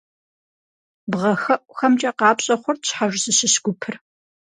Бгъэхэӏухэмкӏэ къапщӏэ хъурт щхьэж зыщыщ гупыр.